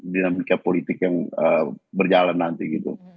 dan ke politik yang berjalan nanti gitu